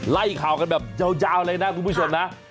ไล่ข่าวกันแบบยาวเลยนะคุณผู้ชมนะ